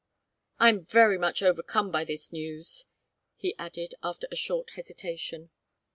"I'm very much overcome by this news," he added, after a short hesitation.